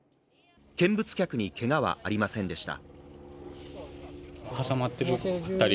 見物客にけがはありませんでした。